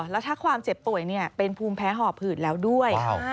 แล้วถ้าความเจ็บป่วยเป็นภูมิแพ้หอบผืดแล้วด้วย